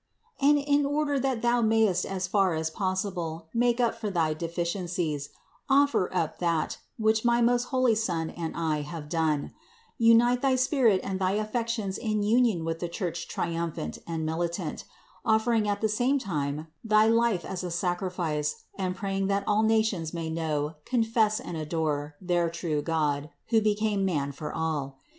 And in order that thou mayest as far as possible make up for thy deficiencies, offer up that, which my most holy Son and I have done; unite thy spirit and thy affections in union with the Church triumphant and militant, offering at the same time thy life as a sacrifice and praying that all nations may know, confess and adore their true God who became man for all.